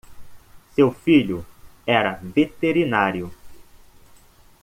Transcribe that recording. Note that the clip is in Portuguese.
Seu filho era veterinário